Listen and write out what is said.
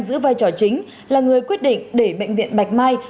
giữ vai trò chính là người quyết định để bệnh viện bạch mai